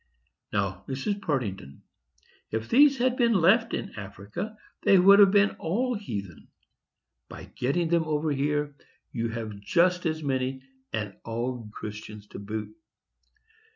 Now, Mrs. Partington, if these had been left in Africa, they would have been all heathen; by getting them over here, you have just as many, and all Christians to boot.